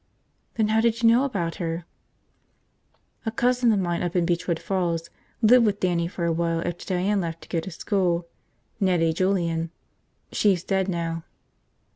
"Then how did you know about her?" "A cousin of mine up in Beechwood Falls lived with Dannie for a while after Diane left to go to school. Nettie Julian. She's dead now."